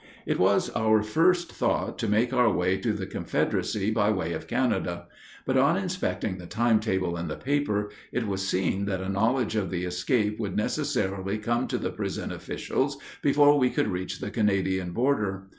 It was our first thought to make our way to the Confederacy by way of Canada; but, on inspecting the time table in the paper, it was seen that a knowledge of the escape would necessarily come to the prison officials before we could reach the Canadian border.